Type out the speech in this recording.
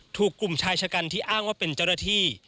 ถูกกลุ่มชายชะกันที่อ้างว่าเป็นเจ้าหน้าที่